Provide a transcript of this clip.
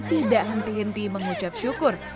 tidak henti henti mengucap syukur